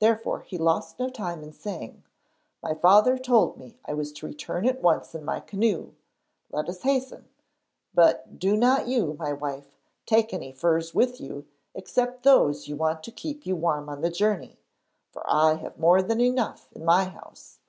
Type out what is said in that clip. Therefore he lost no time in saying, 'My father told me I was to return at once in my canoe; let us hasten, but do not you, my wife, take any furs with you except those you want to keep you warm on the journey, for I have more than enough in my house.'